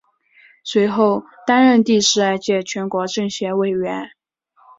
随后担任第十二届全国政协委员。